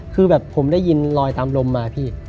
คือแบบผมได้ยินลอยตามลมมาพี่